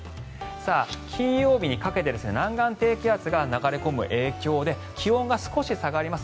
金曜日にかけて南岸低気圧が流れ込む影響で気温が少し下がります。